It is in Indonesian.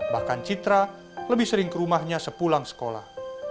bahkan citra lebih sering ke rumahnya sepulang sekolah